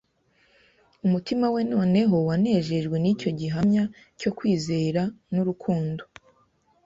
umutima we noneho wanejejwe n'icyo gihamya cyo kwizera n'urukundo